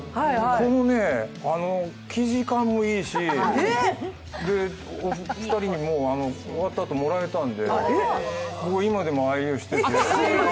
この生地感もいいし、終わった後もらえたんで今でも僕、愛用してて。